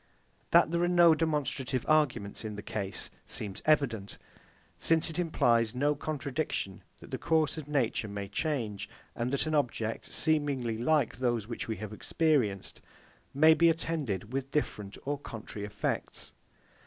That there are no demonstrative arguments in the case seems evident; since it implies no contradiction that the course of nature may change, and that an object, seemingly like those which we have experienced, may be attended with different or contrary effects.